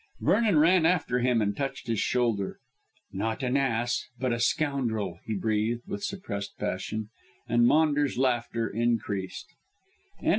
Vernon ran after him and touched his shoulder. "Not an ass, but a scoundrel," he breathed with suppressed passion, and Maunders' laughter increased.